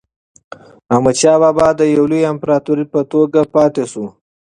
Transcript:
احمدشاه بابا د یو لوی امپراتور په توګه پاتې شو.